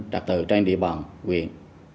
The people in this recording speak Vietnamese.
đấu tranh địa bàn huyện